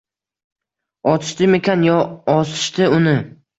Otishdimikin yo osishdi uni?